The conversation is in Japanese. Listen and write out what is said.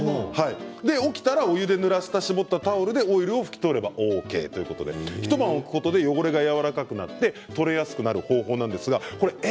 起きたらお湯でぬらした絞ったタオルでオイルを拭き取ればＯＫ一晩置くことで汚れがやわらかくなって取れやすくなる方法だそうです。